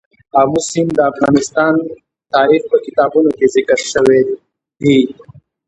آمو سیند د افغان تاریخ په کتابونو کې ذکر شوی دي.